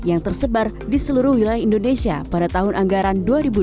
yang tersebar di seluruh wilayah indonesia pada tahun anggaran dua ribu dua puluh